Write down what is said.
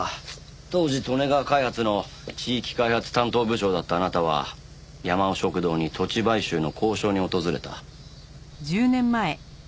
当時利根川開発の地域開発担当部長だったあなたはやまお食堂に土地買収の交渉に訪れた。